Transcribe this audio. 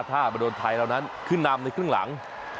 มันโดนไทยแล้วนั้นขึ้นนำในครึ่งหลัง